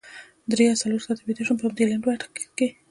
درې یا څلور ساعته ویده شوې وم په همدې لنډ وخت کې.